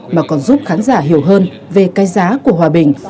mà còn giúp khán giả hiểu hơn về cái giá của hòa bình